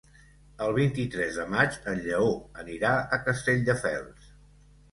El vint-i-tres de maig en Lleó anirà a Castelldefels.